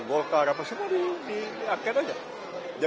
golkar apa semua diangket aja